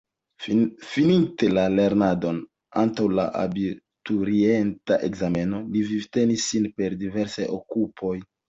Fininte la lernadon antaŭ la abiturienta ekzameno, li vivtenis sin per diversaj okupoj.